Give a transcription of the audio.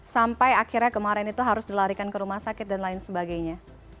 sampai akhirnya kemarin itu harus dilarikan ke rumah sakit dan lain sebagainya